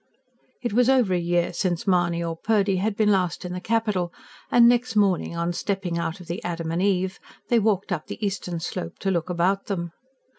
It was over a year since Mahony or Purdy had been last in the capital, and next morning, on stepping out of the "Adam and Eve," they walked up the eastern slope to look about them.